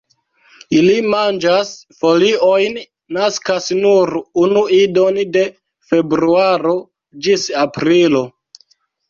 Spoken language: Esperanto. Ĝi manĝas foliojn, naskas nur unu idon de februaro ĝis aprilo.